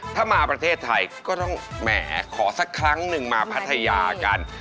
ถ้ามาประเทศไทยก็ต้องแหมขอสักครั้งหนึ่งมาพัทยากัน